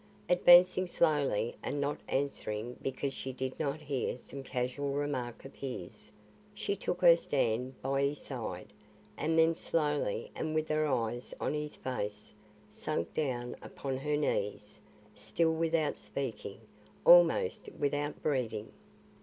Advancing slowly, and not answering because she did not hear some casual remark of his, she took her stand by his side and then slowly and with her eyes on his face, sank down upon her knees, still without speaking, almost without breathing.